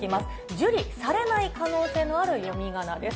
受理されない可能性のある読みがなです。